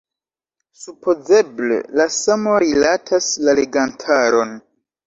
Supozeble la samo rilatas la legantaron.